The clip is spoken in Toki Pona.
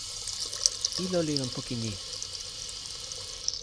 ilo li lon poki ni.